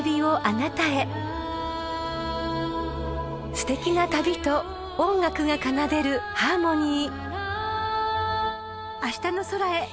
［すてきな旅と音楽が奏でるハーモニー］